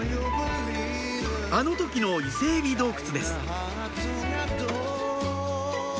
あの時のイセエビ洞窟です